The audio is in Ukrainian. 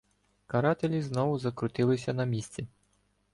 Карателі знову закрутилися на місці.